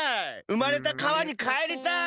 うまれたかわにかえりたい。